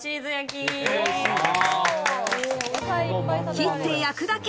切って焼くだけ。